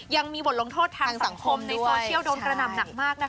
ยังมีบทลงโทษทางสังคมในโซเชียลโดนกระหน่ำหนักมากนะคะ